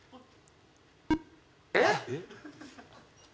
えっ！？